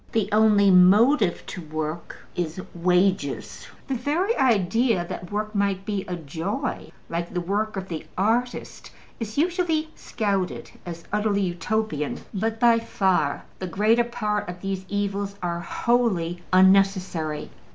The only motive to work is wages: the very idea that work might be a joy, like the work of the artist, is usually scouted as utterly Utopian. But by far the greater part of these evils are wholly unnecessary.